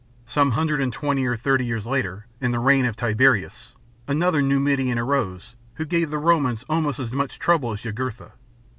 Some hundred and twenty or thirty years later, in the reign of Tiberius, another Numidian arose, who gave the Romans almost as much trouble as Jugurtha.